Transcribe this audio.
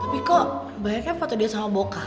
tapi kok bayarnya foto dia sama boka